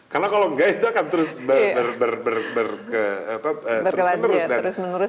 karena kalau tidak itu akan terus berkelanjutan